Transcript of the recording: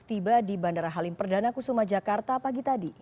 tiba di bandara halim perdana kusuma jakarta pagi tadi